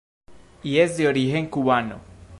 Y es de origen cubano.